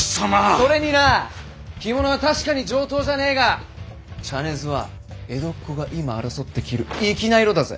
それにな着物は確かに上等じゃあねえが茶ねずは江戸っ子が今争って着る粋な色だぜ！